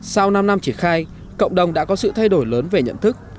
sau năm năm triển khai cộng đồng đã có sự thay đổi lớn về nhận thức